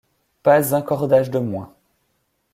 Pas un cordage de moins !